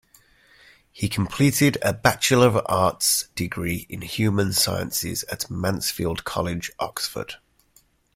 He completed a Bachelor of Arts degree in human sciences at Mansfield College, Oxford.